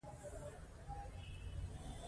د یادو اجناسو بیه له افغانیو ټیټه وي.